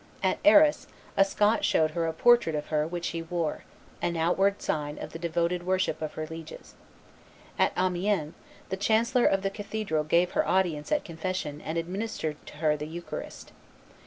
At Arras, a Scot showed her a portrait of her which he wore, an outward sign of the devoted worship of her lieges. At Amiens, the chancellor of the cathedral gave her audience at confession and administered to her the eucharist.